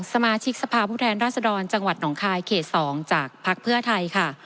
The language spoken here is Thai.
สมาชิกสภาพผู้แทนราชดรจังหวัดหนองคายเขต๒จากพักเพื่อไทยค่ะ